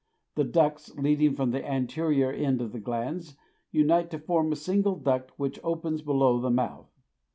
The ducts leading from the anterior end of the glands unite to form a single duct which opens below the mouth.